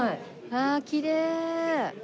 わあきれい。